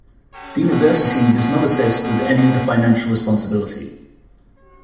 The university does not assist with any of the financial responsibility.